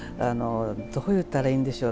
どういったらいいんでしょう。